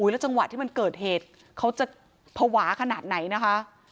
แล้วจังหวะที่มันเกิดเหตุเขาจะภาวะขนาดไหนนะคะ